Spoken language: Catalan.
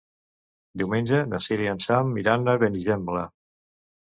Diumenge na Cira i en Sam iran a Benigembla.